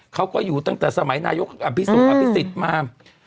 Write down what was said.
เค้าก็อยู่ตั้งแต่สมัยนายกอพิสุทธิ์อาภิสิตมา